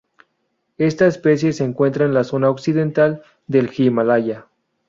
Esta especie se encuentra en la zona occidental del Himalaya.